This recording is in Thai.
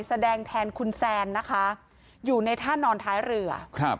แสดงแทนคุณแซนนะคะอยู่ในท่านอนท้ายเรือครับ